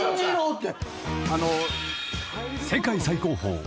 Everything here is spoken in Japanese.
って。